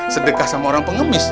sedekah sama orang pengemis